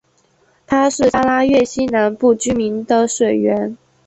它是沙拉越西南部居民的水源。